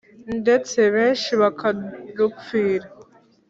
ndetse benshi bakarupfira